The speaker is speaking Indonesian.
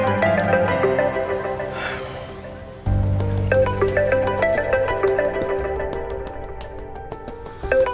terima kasih pak